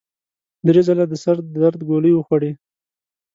درې ځله د سر د درد ګولۍ وخوړې.